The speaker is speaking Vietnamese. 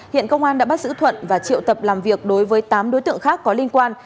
hiện công an đã bắt giữ thuận và triệu tập làm việc đối với tám đối tượng khác có liên quan